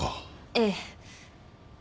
ええ。